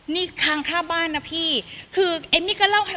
นี่ค้างค่าบ้านนะพี่